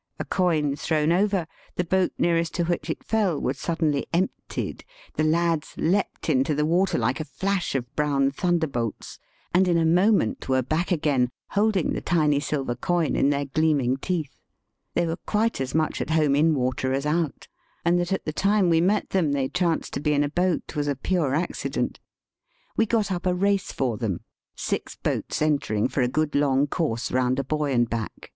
'* A coin thrown over, the boat nearest to which it fell was suddenly emptied ; the lads leaped into the water like a flash of brown thunderbolts, and in a moment were back again, holding the tiny silver coin in their Digitized by VjOOQIC 124 EAST BY WEST. gleaming teeth. They were quite as much at home in water as out, and that at the time we met them they chanced to be in a boat was a pure accident. We got up a race for them, six boats entering for a good long course round a buoy and back.